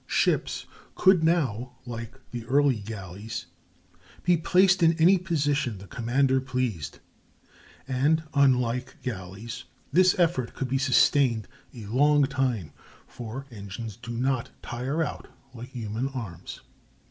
Ships could now, like the early galleys, be placed in any position the commander pleased, and, unlike galleys, this effort could be sustained a long time, for engines do not tire out like human arms.